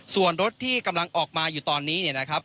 ส่วนรถที่กำลังออกมาอยู่ตอนนี้เนี่ยนะครับ